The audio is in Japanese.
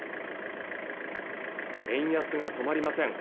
円安が止まりません